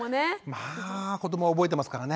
まあ子どもは覚えてますからね。